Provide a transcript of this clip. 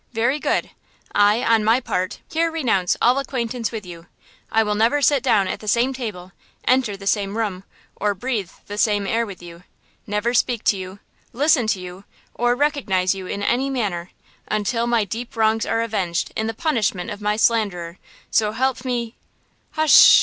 Very good! I, on my part, here renounce all acquaintance with you! I will never sit down at the same table–enter the same room, or breathe the same air with you–never speak to you–listen to you, or recognize you in any manner, until my deep wrongs are avenged in the punishment of my slanderer, so help me–" "Hush–sh!